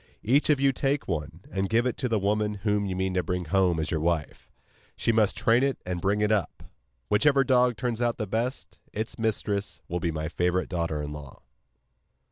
Each of you take one, and give it to the woman whom you mean to bring home as your wife. She must train it and bring it up. Whichever dog turns out the best, its mistress will be my favourite daughter in law.